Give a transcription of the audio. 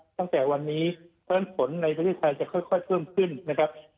ตั้งแต่วันนี้เพราะฉะนั้นฝนในประเทศไทยจะค่อยเพิ่มขึ้นนะครับ